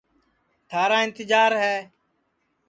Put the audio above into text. تھارا اِنتجار ہے